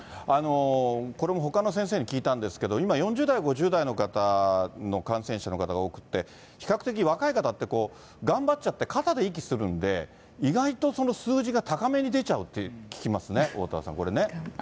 これもほかの先生に聞いたんですけど、今、４０代、５０代の方の感染者の方が多くて、比較的若い方って、頑張っちゃって、肩で息するんで、意外とその数字が高めに出ちゃうって聞きますね、おおたわさん、これね。